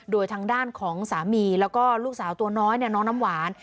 โดยทางด้านของสามีแล้วก็ลูกสาวตัวน้อยน้องน้ำหวาน